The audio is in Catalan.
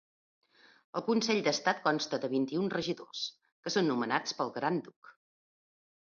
El Consell d'Estat consta de vint-i-un regidors, que són nomenats pel Gran Duc.